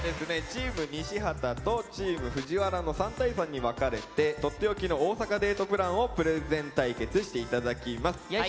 チーム西畑とチーム藤原の３対３に分かれてとっておきの大阪デートプランをプレゼン対決して頂きます。